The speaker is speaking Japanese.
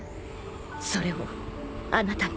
それをあなたに